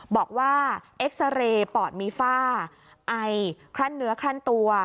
บอกว่าเอ็กซาเรย์ปอดมีฝ้าไอคลั่นเนื้อคลั่นตัว